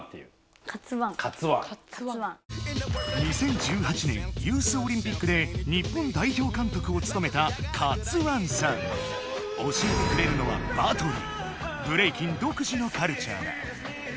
２０１８年ユースオリンピックで日本代表かんとくをつとめた教えてくれるのはブレイキン独自のカルチャーだ。